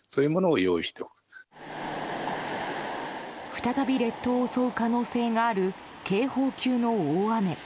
再び列島を襲う可能性がある警報級の大雨。